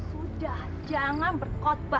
sudah jangan berkotbah